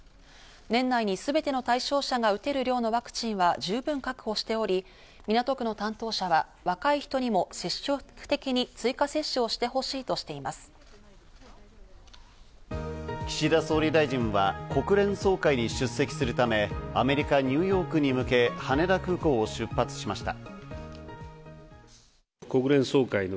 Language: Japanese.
年内にすべての対象者が打てる量のワクチンは十分確保しており、港区の担当者は、若い人にも積極的に追加接種をしてほしいとして岸田総理大臣は国連総会に出席するためアメリカ・ニューヨークに向け、羽田空港を出発しました。